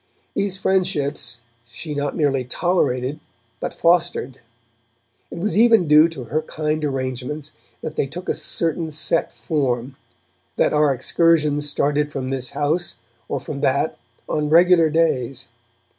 These friendships she not merely tolerated, but fostered; it was even due to her kind arrangements that they took a certain set form, that our excursions started from this house or from that on regular days.